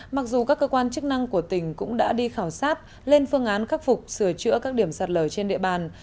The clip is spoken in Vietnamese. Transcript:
mặc dù các cơ quan chức năng của tỉnh cũng đã đi khảo sát lên phương án khắc phục sửa chữa các điểm sạt lở trên địa bàn